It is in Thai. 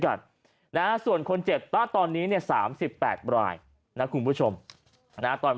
กันนะส่วนคนเจ็บณตอนนี้เนี่ย๓๘รายนะคุณผู้ชมนะตอน